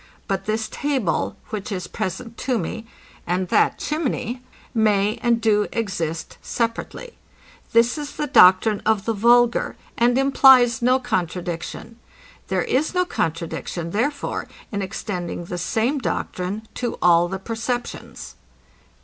But this table, which is present to me, and the chimney, may and do exist separately. This is the doctrine of the vulgar, and implies no contradiction. There is no contradiction, therefore, in extending the same doctrine to all the perceptions.